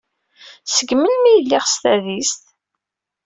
Seg melmi ay lliɣ s tadist?